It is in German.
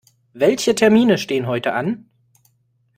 Welche Termine stehen heute an?